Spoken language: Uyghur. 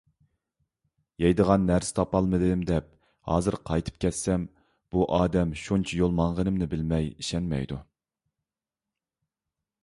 يەيدىغان نەرسە تاپالمىدىم، دەپ ھازىر قايتىپ كەتسەم، بۇ ئادەم شۇنچە يول ماڭغىنىمنى بىلمەي ئىشەنمەيدۇ.